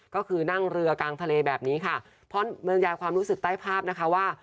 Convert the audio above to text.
ก็คือนั่งเรือกลางทะเลแบบนี้ค่ะเพราะบรรยายความรู้สึกใต้ภาพนะคะว่า